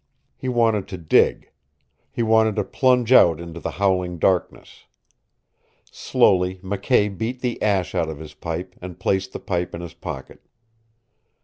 He wanted to dig. He wanted to plunge out into the howling darkness. Slowly McKay beat the ash out of his pipe and placed the pipe in his pocket.